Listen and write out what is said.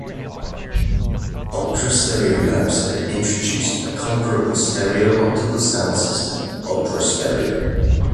Ultra Stereo Labs had introduced a comparable stereo optical sound system, Ultra Stereo.